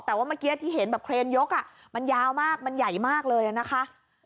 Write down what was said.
แต่ว่าเมื่อกี้ที่เห็นแบบเครนยกมันยาวมากมันใหญ่มากเลยนะคะ